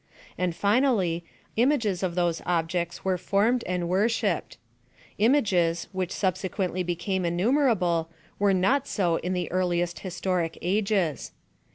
And, finally, images of those objects were formed and worship ped. Images, which subsequently became innu merable, were not so in the earliest historic ages.